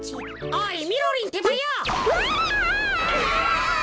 おいみろりんってばよ！